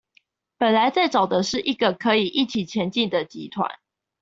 本來在找的是個可以一起前進的集團